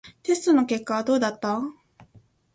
テストの結果はどうだった？